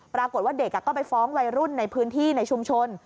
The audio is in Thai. ปรากฏว่าเด็กก็ไปฟ้องวัยรุ่นในพื้นที่ในชุมชน